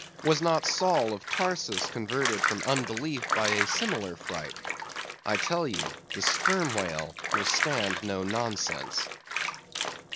Was not Saul of Tarsus converted from unbelief by a similar fright? I tell you, the sperm whale will stand no nonsense.